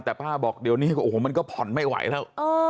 แต่ป้าบอกเดี๋ยวนี้โอ้โหมันก็ผ่อนไม่ไหวแล้ว